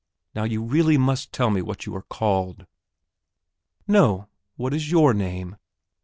Now, you really must tell me what you are called." "No; what is your name?